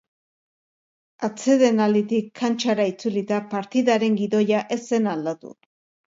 Atsedenalditik kantxara itzulita partidaren gidoia ez zen aldatu.